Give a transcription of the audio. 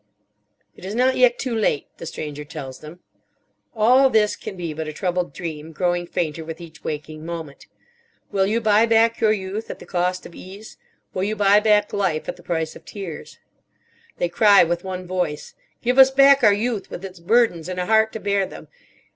"It is not yet too late," the Stranger tells them. "All this can be but a troubled dream, growing fainter with each waking moment. Will you buy back your Youth at the cost of ease? Will you buy back Life at the price of tears?" They cry with one voice, "Give us back our Youth with its burdens, and a heart to bear them!